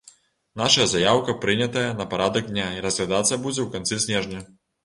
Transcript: Нашая заяўка прынятая на парадак дня і разглядацца будзе ў канцы снежня.